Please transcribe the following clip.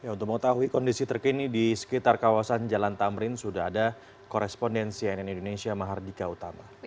untuk mengetahui kondisi terkini di sekitar kawasan jalan tamrin sudah ada korespondensi ann indonesia mahardika utama